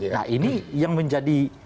nah ini yang menjadi